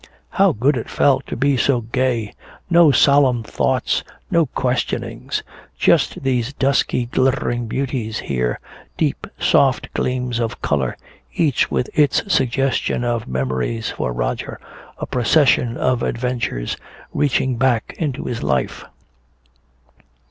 How good it felt to be so gay. No solemn thoughts nor questionings, just these dusky glittering beauties here, deep soft gleams of color, each with its suggestion of memories for Roger, a procession of adventures reaching back into his life.